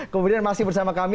kemudian masih bersama kami